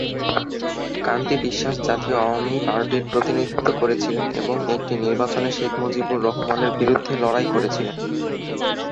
কান্তি বিশ্বাস জাতীয় আওয়ামী পার্টির প্রতিনিধিত্ব করেছিলেন এবং একটি নির্বাচনে শেখ মুজিবুর রহমানের বিরুদ্ধে লড়াই করেছিলেন।